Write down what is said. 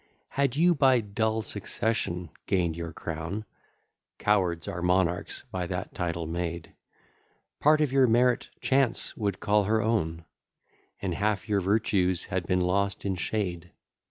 Had you by dull succession gain'd your crown, (Cowards are monarchs by that title made,) Part of your merit Chance would call her own, And half your virtues had been lost in shade.